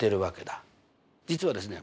実はですね